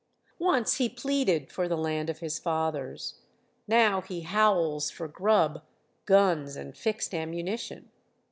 Once he pleaded for the land of his fathers. Now he howls for grub, guns and fixed ammunition.